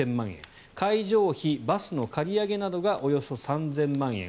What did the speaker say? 会場費、バスの借り上げなどがおよそ３０００万円。